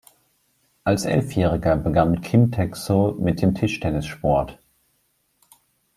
Als Elfjähriger begann Kim Taek-soo mit dem Tischtennissport.